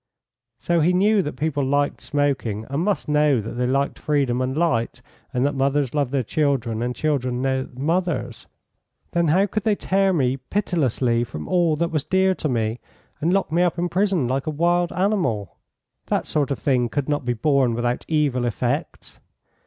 So he knew that people liked smoking, and must know that they liked freedom and light; and that mothers love their children, and children their mothers. Then how could they tear me pitilessly from all that was dear to me, and lock me up in prison like a wild animal? That sort of thing could not be borne without evil effects.